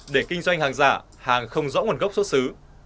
để kinh doanh hàng giả hàng không rõ nguồn gốc xuất xứ